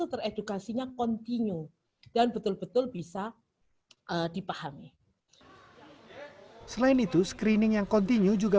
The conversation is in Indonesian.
teredukasinya continue dan betul betul bisa dipahami selain itu screening yang continue juga